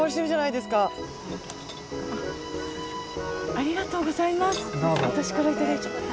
ありがとうございます。